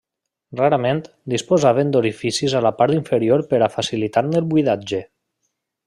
Rarament, disposaven d'orificis a la part inferior per a facilitar-ne el buidatge.